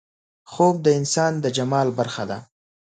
خوب د انسان د جمال برخه ده